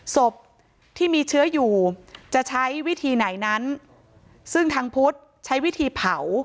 ศพที่มีเชื้ออยู่จะใช้วิธีไหนนั้นซึ่งทางพุทธใช้วิธีเผา